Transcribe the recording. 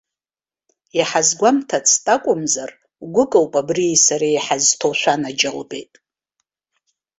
Иҳазгәамҭацт акәымзар, гәыкоуп абрии сареи иҳазҭоу, шәанаџьалбеит!